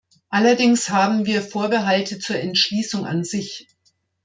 Allerdings haben wir Vorbehalte zur Entschließung an sich.